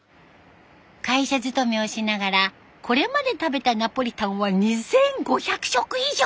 会社勤めをしながらこれまで食べたナポリタンは２，５００食以上！